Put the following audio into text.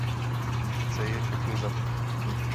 Chce je všechny zabít.